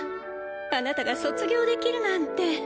あなたが卒業できるなんて。